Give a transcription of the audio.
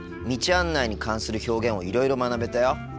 道案内に関する表現をいろいろ学べたよ。